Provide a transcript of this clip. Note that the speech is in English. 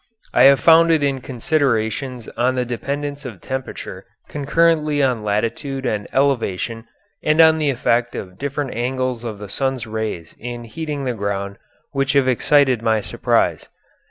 I have found in it considerations on the dependence of temperature concurrently on latitude and elevation and on the effect of different angles of the sun's rays in heating the ground which have excited my surprise.